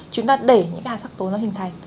chúng ta để những cái sắc tố nó hình thành